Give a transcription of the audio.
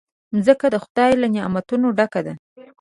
مځکه د خدای له نعمتونو ډکه ده.